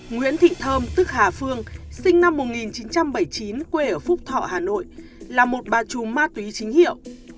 nguyễn thị thơm tức hà phương sinh năm một nghìn chín trăm bảy mươi chín quê ở phúc thọ hà nội là một bà trù ma túy chính hiệu